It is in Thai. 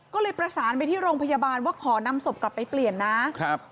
ก็เลยประสานไปที่โรงพยาบาลว่าขอนำศพกลับไปเปลี่ยนนะครับ